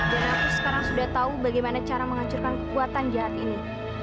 dan aku sekarang sudah tahu bagaimana cara menghancurkan kekuatan jahat ini